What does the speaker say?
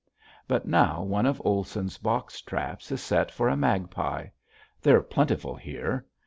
But now one of Olson's box traps is set for a magpie. They're plentiful here.